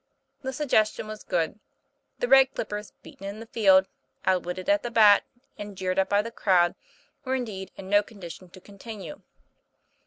The suggestion was good; the Red Clippers, beaten in the field, outwitted at the bat, and jeered at by the crowd, were indeed in no condition to continue.